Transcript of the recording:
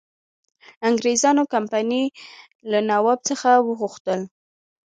انګرېزانو کمپنی له نواب څخه وغوښتل.